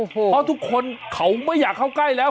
เพราะทุกคนเขาไม่อยากเข้าใกล้แล้ว